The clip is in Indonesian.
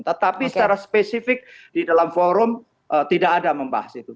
tetapi secara spesifik di dalam forum tidak ada membahas itu